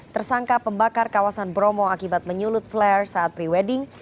tersangka pembakar kawasan bromo akibat menyulut flare saat pre wedding